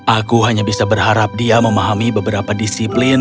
aku hanya bisa berharap dia memahami beberapa disiplin